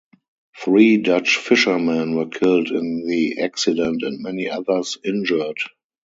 Three Dutch fishermen were killed in the accident and many others injured.